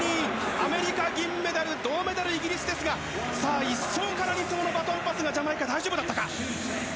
アメリカ、銀メダル銅メダル、イギリスですが１走から２走のバトンパスジャマイカ、大丈夫だったか。